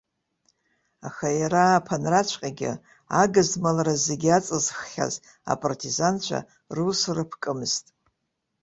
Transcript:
Аха иара ааԥынраҵәҟьагьы, агызмалра зегьы аҵызххьаз апартизанцәа, русура ԥкымызт.